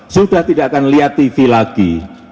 sudah tidak akan lihat tv lagi